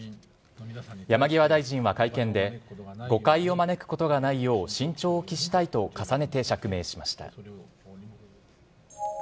山際大臣は会見で、誤解を招くことがないよう、慎重を期したいと重ねて釈明しました。